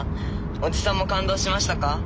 おじさんも感動しましたか？